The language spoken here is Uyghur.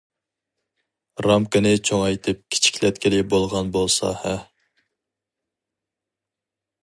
رامكىنى چوڭايتىپ كىچىكلەتكىلى بولغان بولسا ھە!